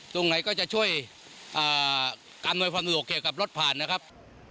ตรงไหนก็จะช่วยการทำอุดอกเกี่ยวกับรถผ่านนะครับ